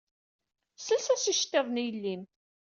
Ssels-as iceṭṭiḍen i yelli-m.